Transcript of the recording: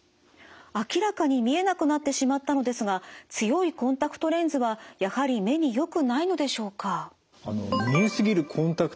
明らかに見えなくなってしまったのですが強いコンタクトレンズはやはり目によくないのでしょうか？